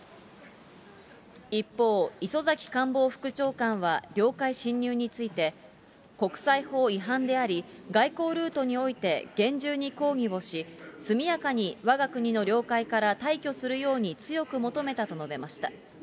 一方、磯崎官房副長官は、領海侵入について、国際法違反であり、外交ルートにおいて厳重に抗議をし、速やかにわが国の領海から退去するように強く求めたと述べました。